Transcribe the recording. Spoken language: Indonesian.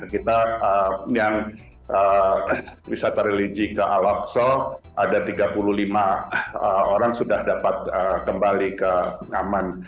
kita yang wisata religi ke awakshow ada tiga puluh lima orang sudah dapat kembali ke aman